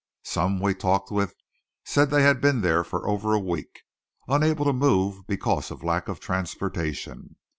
Some we talked with said they had been there for over a week, unable to move because of lack of transportation.